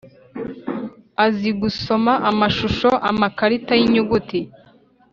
azi gusoma amashusho, amakarita y’inyuguti,